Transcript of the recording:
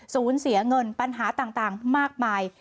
เสียเงินปัญหาต่างมากมาย